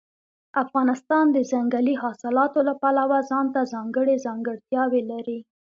افغانستان د ځنګلي حاصلاتو له پلوه ځانته ځانګړې ځانګړتیاوې لري.